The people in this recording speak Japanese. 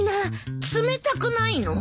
冷たくないの？